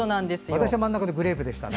私は真ん中のグレープでしたね。